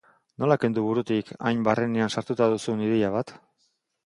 Nola kendu burutik hain barrenean sartuta duzun ideia bat?